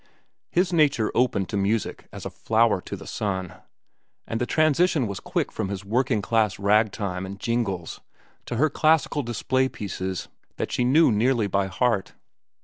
His nature opened to music as a flower to the sun, and the transition was quick from his working class rag time and jingles to her classical display pieces that she knew nearly by heart.